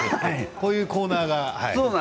こういうコーナーが。